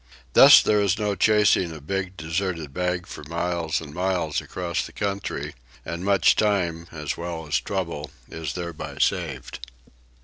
Thus there is no chasing a big deserted bag for miles and miles across the country, and much time, as well as trouble, is thereby saved.